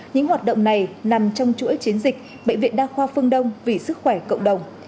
những hoạt động này nằm trong chuỗi chiến dịch bệnh viện đa khoa phương đông vì sức khỏe cộng đồng